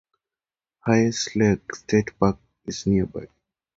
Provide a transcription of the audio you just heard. Hayes Lake State Park is nearby.